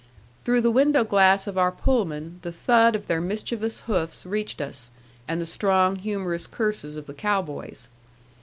Through the window glass of our Pullman the thud of their mischievous hoofs reached us, and the strong, humorous curses of the cow boys.